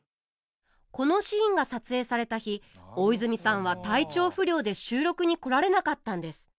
このシーンが撮影された日大泉さんは体調不良で収録に来られなかったんです。